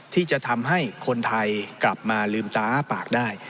ที่จะทำให้คนไทยกลับมาลืมตาอ้าปากได้